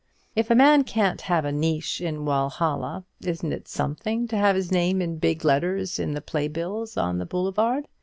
If a man can't have a niche in the Walhalla, isn't it something to have his name in big letters in the play bills on the boulevard?